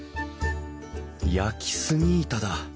焼き杉板だ。